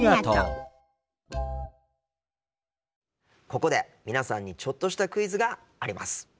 ここで皆さんにちょっとしたクイズがあります。